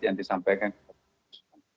yang disampaikan kepada konsumen